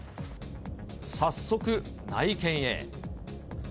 早速、内見へ。